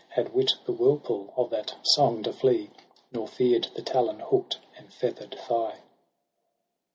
Had wit the whirlpool of that song to flee. Nor fear'd the talon hook'd and feather'd thigh.